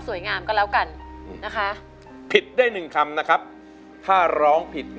ล้อว่าไม่ได้